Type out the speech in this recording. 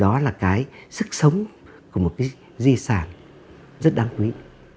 đó là cái sức sống của một cái di sản rất đáng quý